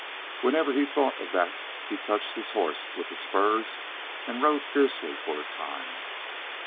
Whenever he thought of that he touched his horse with the spurs and rode fiercely for a time.